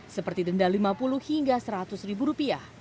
seperti denda lima puluh hingga seratus ribu rupiah